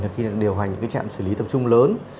khi điều hành những trạm xử lý tập trung lớn